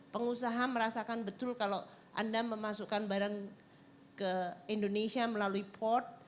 pengusaha merasakan betul kalau anda memasukkan barang ke indonesia melalui port